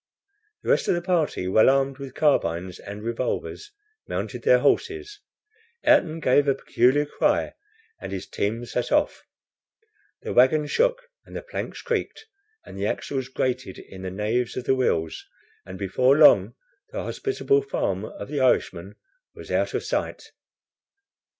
The rest of the party, well armed with carbines and revolvers, mounted their horses. Ayrton gave a peculiar cry, and his team set off. The wagon shook and the planks creaked, and the axles grated in the naves of the wheels; and before long the hospitable farm of the Irishman was out of sight.